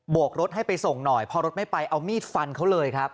กรถให้ไปส่งหน่อยพอรถไม่ไปเอามีดฟันเขาเลยครับ